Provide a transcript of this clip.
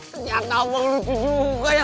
ternyata emang lucu juga ya